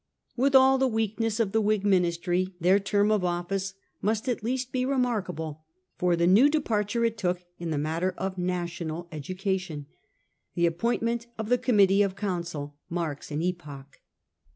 With all the weakness of the Whig Ministry, their term of office must at least be remarkable for the new departure It took in the matter of National Education. The appointment of the Committee of Council marks an epoch.